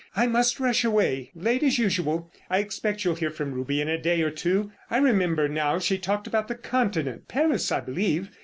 "I must rush away; late as usual. I expect you'll hear from Ruby in a day or two. I remember now she talked about the Continent—Paris, I believe.